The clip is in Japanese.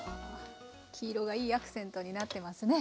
黄色がいいアクセントになってますね。